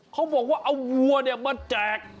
เขาบอกว่าเอาวัวมาแจก